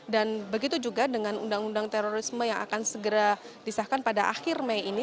dan begitu juga dengan undang undang terorisme yang akan segera disahkan pada akhir mei ini